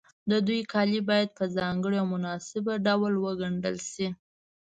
د دوی کالي باید په ځانګړي او مناسب ډول وګنډل شي.